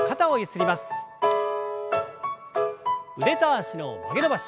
腕と脚の曲げ伸ばし。